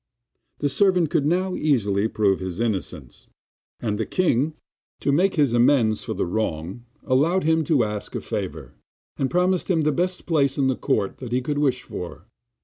The servant could now easily prove his innocence; and the king, to make amends for the wrong, allowed him to ask a favour, and promised him the best place in the court that he could wish for.